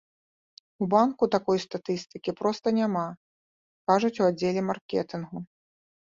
У банку такой статыстыкі проста няма, кажуць у аддзеле маркетынгу.